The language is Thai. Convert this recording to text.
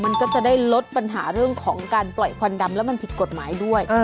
มันก็จะได้ลดปัญหาเรื่องของการปล่อยควันดำแล้วมันผิดกฎหมายด้วย